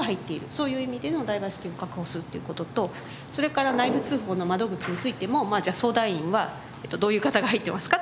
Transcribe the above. そういう意味でのダイバーシティーを確保するという事とそれから内部通報の窓口についてもじゃあ相談員はどういう方が入ってますか？